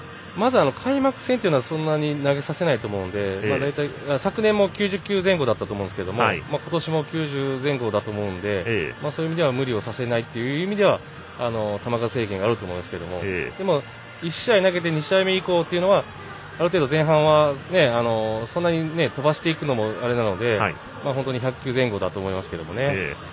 まず開幕戦というのはそんなに投げさせないと思うので昨年も９０球前後だったと思うんですけど今年も９０前後だと思うのでそういう意味で無理をさせないということで球数制限があると思うんですけど１試合投げて、２試合目以降はある程度、前半はそんなに飛ばしていくのもあれなので１００球前後だと思いますけどね。